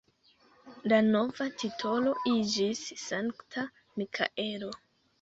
La nova titolo iĝis Sankta Mikaelo.